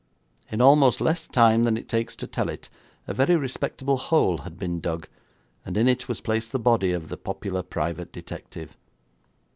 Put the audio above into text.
In almost less time than it takes to tell it, a very respectable hole had been dug, and in it was placed the body of the popular private detective.